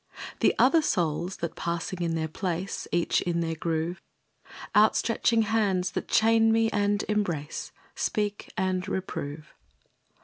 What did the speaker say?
The other souls that, passing in their place, Each in their groove; Out stretching hands that chain me and embrace, Speak and reprove.